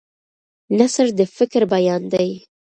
نثر د فکر بیان دی.